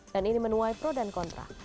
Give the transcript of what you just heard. dan ini menuai pro dan kontra